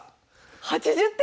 ８０点！